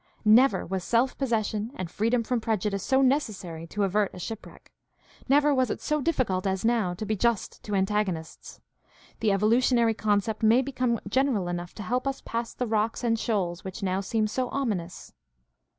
Never was self possession and freedom from prejudice so necessary to avert shipwreck; never was it so difficult as now to be just to antagonists. The evolutionary conception may become general enough to help us past the rocks and shoals which now seem so ominous.